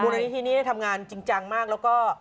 ทุ่นโรงเรียนที่นี่ทำงานจริงจังมากแล้วก็